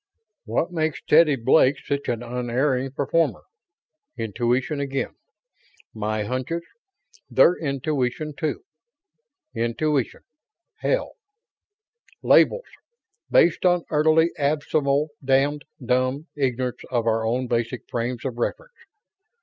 What makes Teddy Blake such an unerring performer? Intuition again. My hunches they're intuition, too. Intuition, hell! Labels based on utterly abysmal damned dumb ignorance of our own basic frames of reference.